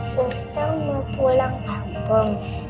suster mau pulang kampung